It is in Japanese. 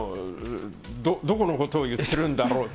どこのことを言ってるんだろうと。